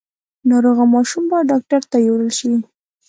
ناروغه ماشوم باید ډاکټر ته یووړل شي۔